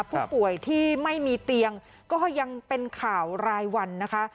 ผู้ป่วยที่ไม่มีเตียงก็ยังเป็นข่าวรายวันนะคะ